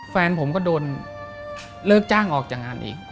แฟนผมก็โดนเลิกจ้างออกจากงานอีก